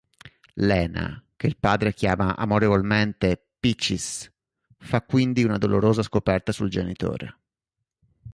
Lena, che il padre chiama amorevolmente Peaches, fa quindi una dolorosa scoperta sul genitore.